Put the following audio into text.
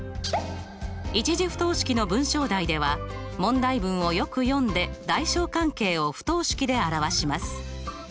１次不等式の文章題では問題文をよく読んで大小関係を不等式で表します。